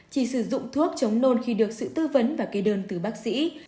chỉ sử dụng thuốc chống nôn khi được sự tư vấn và kê đơn từ bác sĩ